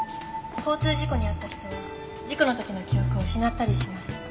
交通事故に遭った人は事故の時の記憶を失ったりします。